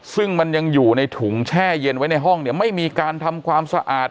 ซึ่งมันยังอยู่ในถุงแช่เย็นไว้ในห้องเนี่ยไม่มีการทำความสะอาด